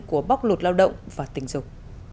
của bóc lột lao động và tình dục